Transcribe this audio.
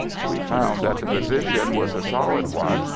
We found that the position was a solid one.